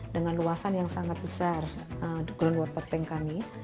dengan luasan yang sangat besar di ground water tank kami